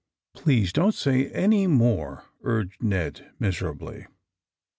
*' Please don't say any more," urged Ned miserably.